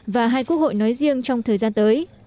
và hai quốc hội nói riêng trong thời gian tới